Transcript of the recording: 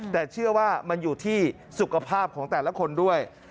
แต่เชื่อว่ามันอยู่ที่สุขภาพของแต่ละคนด้วย